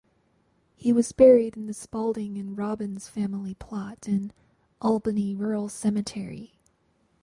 He was buried in the Spalding and Robbins family plot in Albany Rural Cemetery.